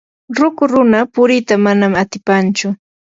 ruku runa purita manam atipanchu.